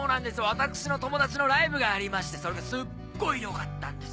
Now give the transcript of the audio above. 私の友達のライブがありましてそれがすっごい良かったんですよ。